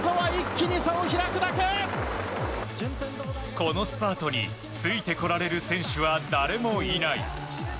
このスパートについてこられる選手は誰もいない。